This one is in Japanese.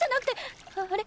あれ？